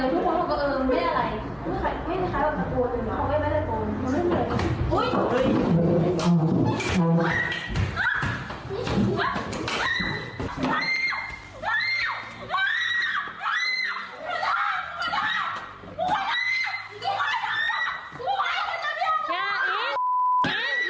เห้ยเห้ยเห้ยเห้ยเห้ยเห้ย